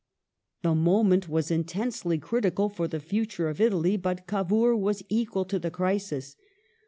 The moment was intensely critical for the future of Italy; but Cavour was equal to the crisis.